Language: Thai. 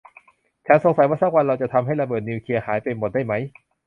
ฉันสงสัยว่าสักวันเราจะทำให้ระเบิดนิวเคลียร์หายไปหมดได้มั้ย